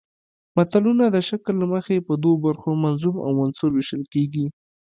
متلونه د شکل له مخې په دوو برخو منظوم او منثور ویشل کیږي